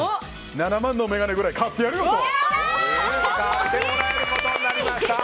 ７万の眼鏡ぐらい買ってやるよと。